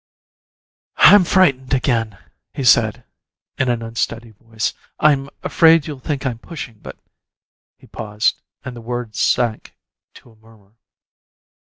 "I'm frightened again," he said, in an unsteady voice. "I'm afraid you'll think I'm pushing, but " He paused, and the words sank to a murmur.